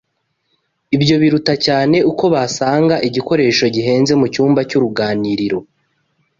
Ibyo biruta cyane uko basanga igikoresho gihenze mu cyumba cy’uruganiriro